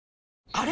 あれ？